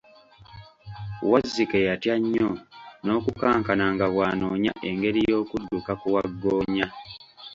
Wazzike yatya nnyo n'okukankana nga bw'anonya engeri y'okudduka ku Waggoonya.